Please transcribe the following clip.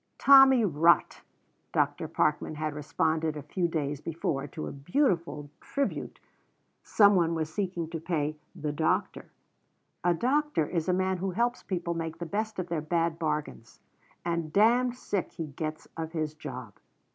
"Tommy rot!" Dr. Parkman had responded a few days before to a beautiful tribute some one was seeking to pay "The Doctor" "A doctor is a man who helps people make the best of their bad bargains and damned sick he gets of his job.